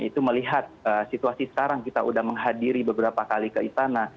itu melihat situasi sekarang kita sudah menghadiri beberapa kali ke istana